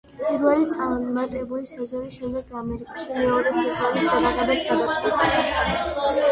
პირველი წარმატებული სეზონის შემდეგ, ამერიკაში მეორე სეზონის გადაღებაც გადაწყვიტეს.